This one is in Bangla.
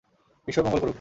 ঈশ্বর মঙ্গল করুক।